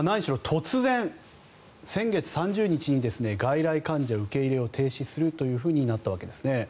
突然、先月３０日に外来患者受け入れを停止するとなったわけですね。